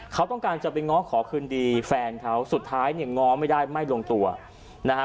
เขาต้องการจะไปง้อขอคืนดีแฟนเขาสุดท้ายเนี่ยง้อไม่ได้ไม่ลงตัวนะฮะ